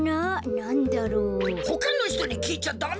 なんだろう？ほかのひとにきいちゃダメじゃぞ。